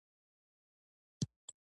ښوونځی د ملګرتیا خوند لري